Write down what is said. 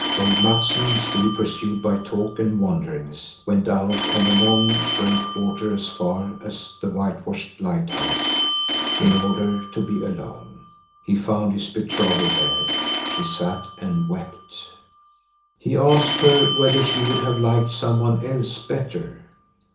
Old Mattsson, still pursued by talk and wonderings, went out on the long breakwater as far as the whitewashed lighthouse, in order to be alone. He found his betrothed there. She sat and wept. He asked her whether she would have liked some one else better.